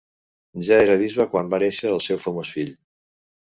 Ja era bisbe quan va néixer el seu famós fill.